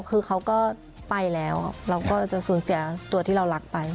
คือเขาก็ไปแล้วเราก็จะสูญเสียตัวที่เรารักไป